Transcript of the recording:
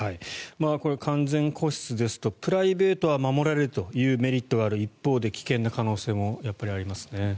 これは完全個室ですとプライベートは守られるというメリットがある一方で危険な可能性もありますね。